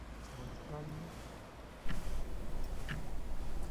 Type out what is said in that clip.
د افغانستان جلکو د افغانستان د دوامداره پرمختګ لپاره اړین دي.